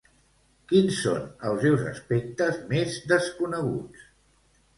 Quins són els seus aspectes més desconeguts?